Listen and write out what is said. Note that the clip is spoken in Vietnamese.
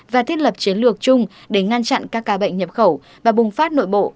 và thiết lập chiến lược chung để ngăn chặn các ca bệnh nhập khẩu và bùng phát nội bộ